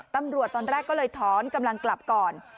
ตำรวจตอนแรกเธอก็เลยถ้อลกำลังกลับก่อน